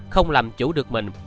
không làm chủ được mình